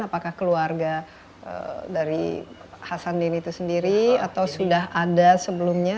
apakah keluarga dari hasan din itu sendiri atau sudah ada sebelumnya